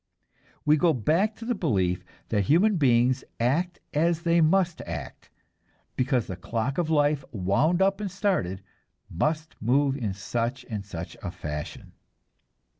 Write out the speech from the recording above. We go back to the belief that human beings act as they must act, because the clock of life, wound up and started, must move in such and such a fashion.